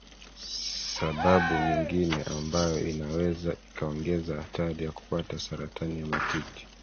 sababu nyingine ambayo inaweza ikaongeza hatari ya kupata saratani ya matiti